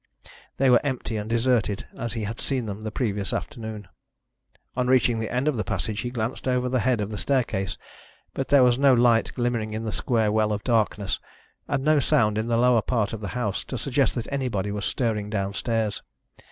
They were empty and deserted, as he had seen them the previous afternoon. On reaching the end of the passage he glanced over the head of the staircase, but there was no light glimmering in the square well of darkness and no sound in the lower part of the house to suggest that anybody was stirring downstairs.